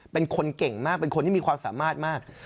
เป็นคนเก่งมากเป็นคนที่มีความสามารถมาก